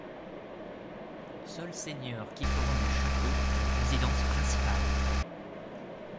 Seuls seigneurs qui feront du château leur résidence principale.